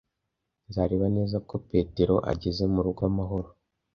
Nzareba neza ko Petero ageze murugo amahoro.